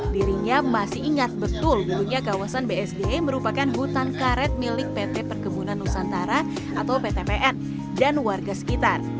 dirinya masih ingat betul dulunya kawasan bsd merupakan hutan karet milik pt perkebunan nusantara atau ptpn dan warga sekitar